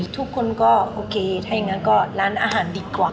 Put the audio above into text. ทุกคนก็โอเคถ้าอย่างนั้นก็ร้านอาหารดีกว่า